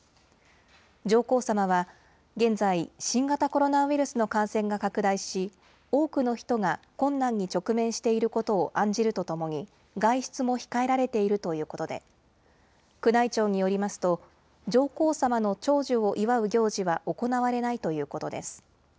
上皇さまは現在、新型コロナウイルスの感染が拡大し、多くの人が困難に直面していることを案じるとともに、外出も控えられているということで、宮内庁によりますと、上皇さまの長寿を祝う行事は行われないということです。